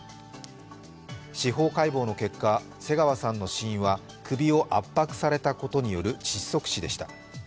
司法解剖の結果、瀬川さんの死因は首を圧迫されたことによる窒息死でした。